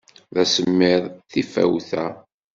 D asemmiḍ tifawt-a.